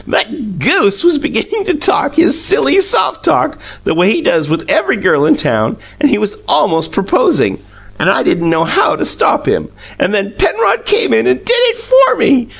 That GOOSE was beginning to talk his silly, soft talk the way he does with every girl in town and he was almost proposing, and I didn't know how to stop him. And then Penrod came in and did it for me.